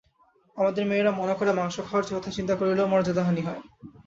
আমাদের মেয়েরা মনে করে, মাংস খাওয়ার কথা চিন্তা করিলেও মর্যাদাহানি হয়।